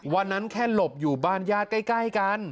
วันนั้นแค่หลบอยู่บ้านญาติใกล้กัน